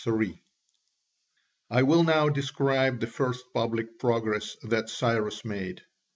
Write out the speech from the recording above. [C.3] I will now describe the first public progress that Cyrus made.